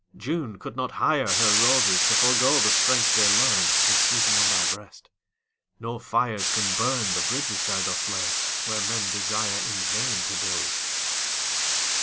June could not hire Her roses to forego the strength they learn In sleeping on thy breast. No fires can burn The bridges thou dost lay where men desire In vain to build.